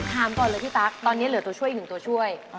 ถามก่อนเลยพี่ตั๊กตอนนี้เหลือตัวช่วยอีกหนึ่งตัวช่วย